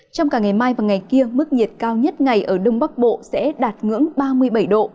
trong cả ngày mai và ngày kia mức nhiệt cao nhất ngày ở đông bắc bộ sẽ đạt ngưỡng ba mươi bảy độ